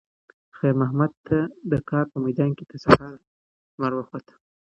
خیر محمد ته د کار په میدان کې د سهار لمر وخوت.